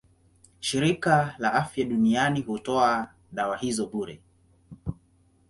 Shirika la Afya Duniani hutoa dawa hizo bure.